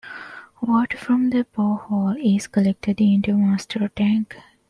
Water from the bore hole is collected into a master tank.